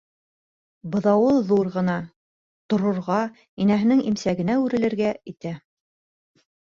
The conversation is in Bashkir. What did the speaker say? Быҙауы ҙур ғына, торорға, инәһенең имсәгенә үрелергә итә.